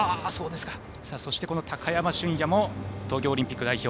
そして、高山峻野も東京オリンピック代表